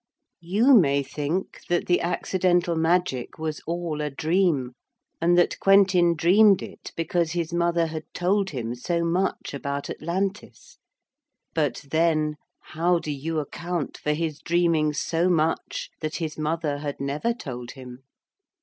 You may think that the accidental magic was all a dream, and that Quentin dreamed it because his mother had told him so much about Atlantis. But then, how do you account for his dreaming so much that his mother had never told him?